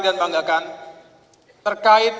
dan banggakan terkait